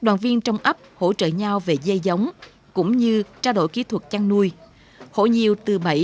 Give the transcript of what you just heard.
đoàn viên trong ấp hỗ trợ nhau về dê giống cũng như trao đổi kỹ thuật chăn nuôi hộ nhiều từ bảy